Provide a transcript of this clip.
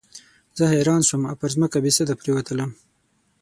زه حیران شوم او پر مځکه بېسده پرېوتلم.